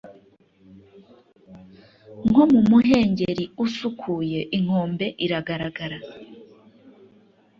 nko mu muhengeri usukuye inkombe iragaragara